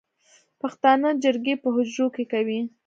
پښتانه جرګې په حجرو کې کوي